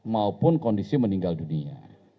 maupun kondisi meninggal dunia